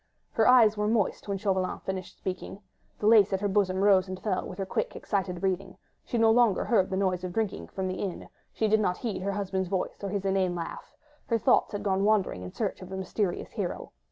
Her eyes were moist when Chauvelin had finished speaking, the lace at her bosom rose and fell with her quick, excited breathing; she no longer heard the noise of drinking from the inn, she did not heed her husband's voice or his inane laugh, her thoughts had gone wandering in search of the mysterious hero!